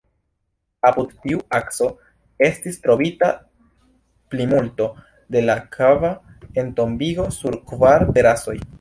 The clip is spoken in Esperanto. Apud tiu akso estis trovita plimulto de la kava entombigo, sur kvar terasoj.